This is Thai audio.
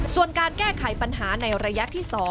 ส่วนการแก้ไขปัญหาในระยะที่๒